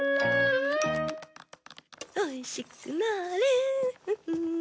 おいしくなれ。